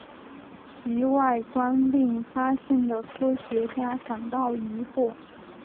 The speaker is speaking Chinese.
其外观令发现的科学家感到疑惑。